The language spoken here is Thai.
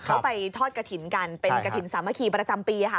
เขาไปทอดกระถิ่นกันเป็นกระถิ่นสามัคคีประจำปีค่ะ